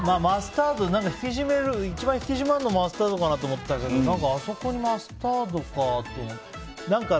一番引き締まるのはマスタードかなと思ったけどあそこにマスタードかと思って。